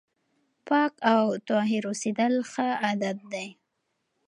پاک او طاهر اوسېدل ښه عادت دی.